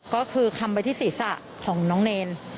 ก็คือคำไปที่ศีรษะของน้องเนร